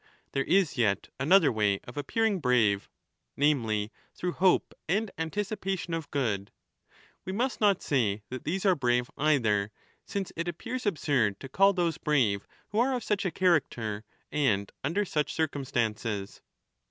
There is yet another way of appearing brave, namely, through hope and anticipation of good. We must not say 15 that these are brave either, since it appears absurd to call those brave who are of such a character and under such circumstances.